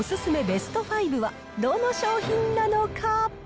ベスト５はどの商品なのか。